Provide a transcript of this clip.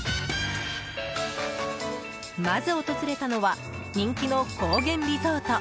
まず訪れたのは人気の高原リゾート